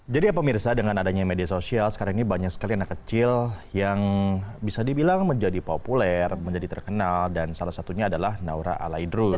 jadi ya pemirsa dengan adanya media sosial sekarang ini banyak sekali anak kecil yang bisa dibilang menjadi populer menjadi terkenal dan salah satunya adalah naura alaidrus